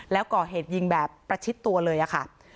แล้วก่อเหตุยิงแบบประชิดตัวเลยค่ะ